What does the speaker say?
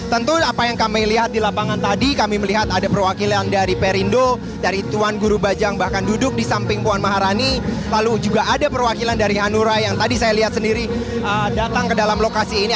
tentu apa yang kami lihat di lapangan tadi kami melihat ada perwakilan dari perindo dari tuan guru bajang bahkan duduk di samping puan maharani lalu juga ada perwakilan dari hanura yang tadi saya lihat sendiri datang ke dalam lokasi ini